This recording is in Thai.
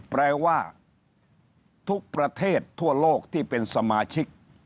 แปลว่าทุกประเทศทั่วโลกที่เป็นสมาชิก